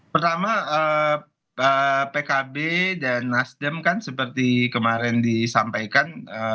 pertama pkb dan nasdem kan seperti kemarin disampaikan